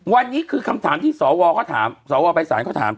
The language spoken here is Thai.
วันนี้คือก็คำถามที่สวภภภภภภภ